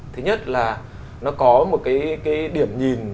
thứ nhất là nó có một cái điểm nhìn